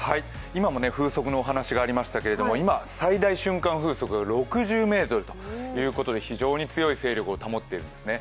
今も風速のお話がありましたけれども、今、最大瞬間風速６０メートルということで非常に強い勢力を保っているんですね。